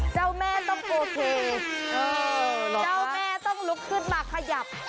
เจ้าแม่ต้องโอเคเจ้าแม่ต้องลุกขึ้นมาขยับ